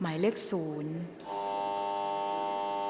ออกรางวัลเลขหน้า๓ตัวครั้งที่๑ค่ะ